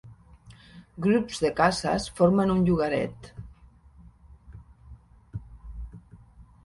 Grups de cases formen un llogaret.